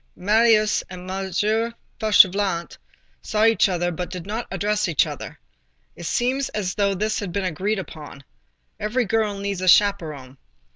Marius and M. Fauchelevent saw each other, but did not address each other. It seemed as though this had been agreed upon. Every girl needs a chaperon.